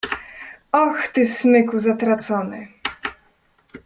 "Och ty, smyku zatracony!"